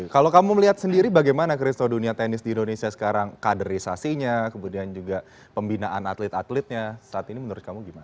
kalau kamu melihat sendiri bagaimana christo dunia tenis di indonesia sekarang kaderisasinya kemudian juga pembinaan atlet atletnya saat ini menurut kamu gimana